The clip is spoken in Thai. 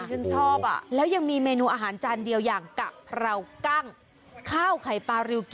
ฉันชอบอ่ะแล้วยังมีเมนูอาหารจานเดียวอย่างกะเพรากั้งข้าวไข่ปลาริวกิ